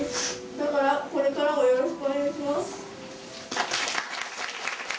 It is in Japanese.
だからこれからもよろしくお願いします。